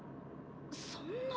そんな。